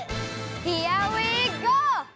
ヒアウィーゴー！